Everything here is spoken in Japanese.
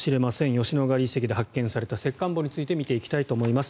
吉野ヶ里遺跡で発見された石棺墓について見ていきたいと思います。